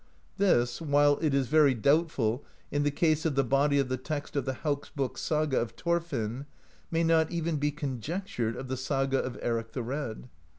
This, while it is very doubtful in the case of the body of the text of the Hauk's Book Saga of Thorfinn, may not even be conjectured of the Saga of Eric the Red.